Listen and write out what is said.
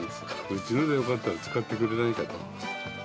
うちのでよかったら、使ってくれないかと。